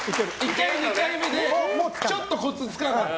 ２回目でちょっとコツつかんだ。